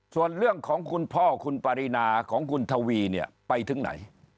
ส่วนเรื่องของคุณพ่อคุณปรินาของคุณทวีเนี่ยไปถึงไหน